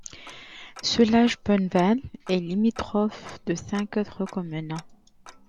Soulages-Bonneval est limitrophe de cinq autres communes.